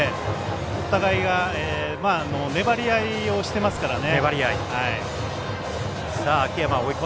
お互いが粘り合いをしていますからね。